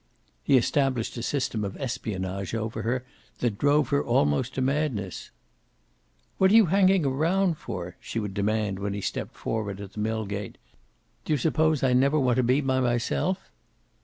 He established a system of espionage over her that drove her almost to madness. "What're you hanging round for?" she would demand when he stepped forward at the mill gate. "D'you suppose I never want to be by myself?"